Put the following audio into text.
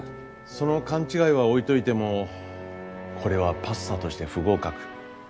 その勘違いは置いといてもこれはパスタとして不合格。